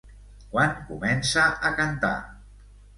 Quan comença a cantar?